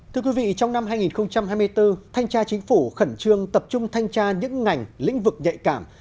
thưa quý vị trong năm hai nghìn hai mươi bốn thanh tra chính phủ khẩn trương tập trung thanh tra những ngành lĩnh vực nhạy cảm